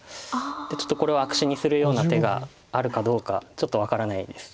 でちょっとこれを悪手にするような手があるかどうかちょっと分からないです。